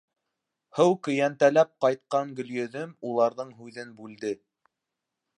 Һыу көйәнтәләп ҡайтҡан Гөлйөҙөм уларҙың һүҙен бүлде.